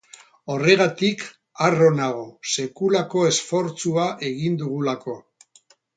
Horregatik, harro nago, sekulako esfortzua egin dugulako.